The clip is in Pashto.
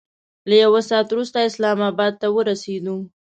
له یو ساعت وروسته اسلام اباد ته ورسېدو.